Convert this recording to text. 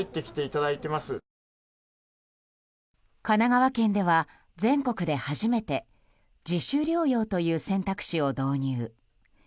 神奈川県では、全国で初めて自主療養という選択肢を導入。